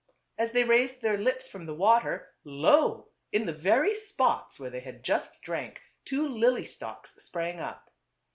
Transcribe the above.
As they raised their lips from the water, lo ! in the very spots where they had just drank two lily stalks sprang up.